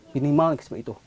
minimal seperti itu